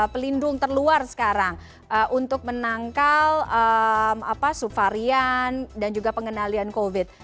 pelindung terluar sekarang untuk menangkal suvarian dan juga pengendalian covid